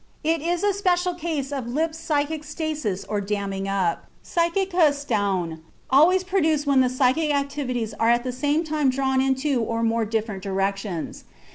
It is a special case of Lipps's psychic stasis or damming up (psychische Stauung), always produced when the psychic activities are at the same time drawn in two or more different directions.